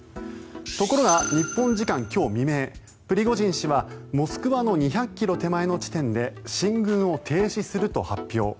ところが日本時間今日未明プリゴジン氏はモスクワの２００ｋｍ手前の地点で進軍を停止すると発表。